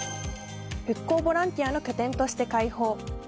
復興ボランティアの拠点として開放。